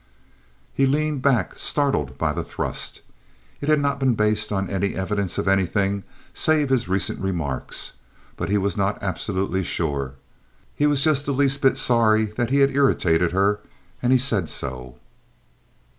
He leaned back startled by the thrust. It had not been based on any evidence of anything save his recent remarks; but he was not absolutely sure. He was just the least bit sorry that he had irritated her, and he said so.